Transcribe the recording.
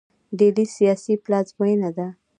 ډیلي سیاسي پلازمینه ده.